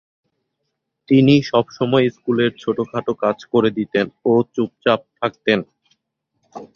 তিনি সবসময় স্কুলের ছোটখাটো কাজ করে দিতেন ও চুপচাপ থাকতেন।